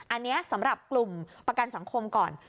อันนี้สำหรับกลุ่มประกันสังคมก่อน